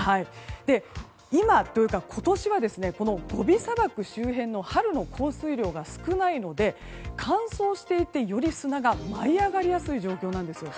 今というか今年は、ゴビ砂漠周辺春の降水量が少ないので乾燥していて、より砂が舞い上がりやすい状況なんです。